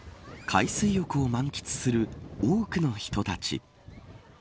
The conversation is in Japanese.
海水浴を満喫する多くの人たち。